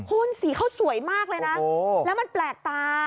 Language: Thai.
คุณสีเขาสวยมากเลยนะแล้วมันแปลกตา